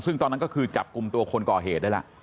ซึ่งตอนนั้นก็คือจับกลุ่มตัวคนก่อเหตุได้แล้ว